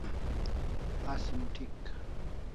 Asi moth'ik